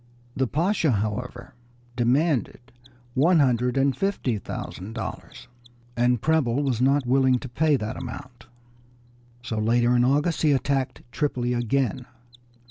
The Pasha, however, demanded one hundred and fifty thousand dollars, and Preble was not willing to pay that amount. So later in August he attacked Tripoli again.